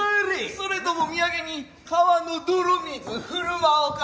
それとも土産に川の泥水振舞おうか。